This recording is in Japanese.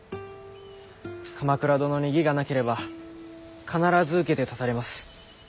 鎌倉殿に義がなければ必ず受けて立たれます。